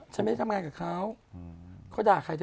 ฉันไม่ได้ทำงานกับเขาเขาด่าใครได้